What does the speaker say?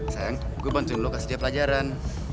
sayang gue bantuin lu kasih dia pelajaran